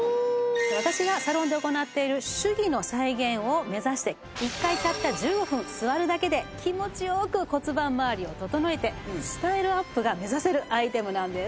私がサロンで行っている手技の再現を目指して１回たった１５分座るだけで気持ちよく骨盤まわりを整えてスタイルアップが目指せるアイテムなんです。